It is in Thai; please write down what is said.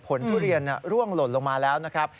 ทุเรียนร่วงหล่นลงมาแล้วนะครับ